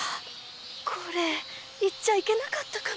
これ言っちゃいけなかったかな？